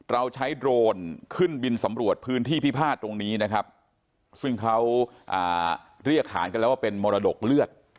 เราใช้โดรนขึ้นบินสำรวจพื้นที่พิพาทตรงนี้นะครับซึ่งเขาเรียกขานกันแล้วว่าเป็นมรดกเลือด